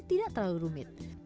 tidak terlalu rumit